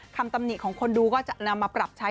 ตำหนิของคนดูก็จะนำมาปรับใช้